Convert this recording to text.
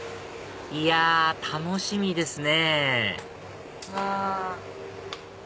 いや楽しみですねうわ！